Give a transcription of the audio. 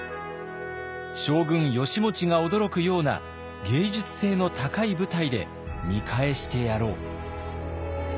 将軍義持が驚くような芸術性の高い舞台で見返してやろう。